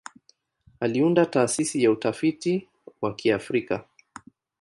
Aliunda Taasisi ya Utafiti wa Kiafrika.